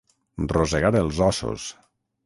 Rosegar els ossos.